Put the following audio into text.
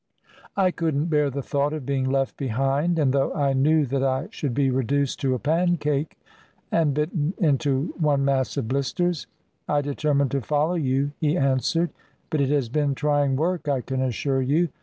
"I couldn't bear the thought of being left behind, and though I knew that I should be reduced to a pancake, and bitten into one mass of blisters, I determined to follow you," he answered, "but it has been trying work, I can assure you.